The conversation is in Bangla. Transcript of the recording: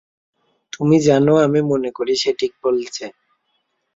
তুমি জানো, আমি মনে করি সে ঠিক বলেছে।